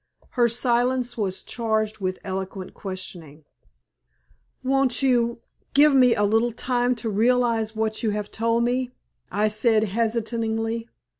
Her silence was charged with eloquent questioning. "Won't you give me a little time to realize what you have told me?" I said, hesitatingly.